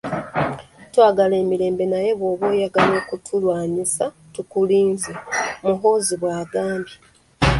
"Twagala emirembe naye bw'oba oyagala okutulwanyisa, tukulinze!” Muhoozi bw'agambye.